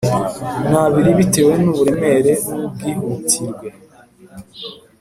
N abiri bitewe n uburemere n ubwihutirwe